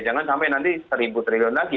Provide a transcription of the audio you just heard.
jangan sampai nanti seribu triliun lagi